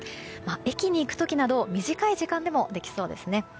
駅に行く時など短い時間でもできそうですね。